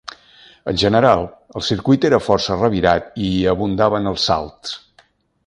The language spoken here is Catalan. En general, el circuit era força revirat i hi abundaven els salts.